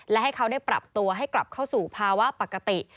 และให้เขาได้ปรับตัวให้กลับเข้าสู่ภาวะปกติ